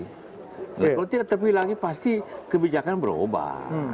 kalau tidak terpikir lagi pasti kebijakan berubah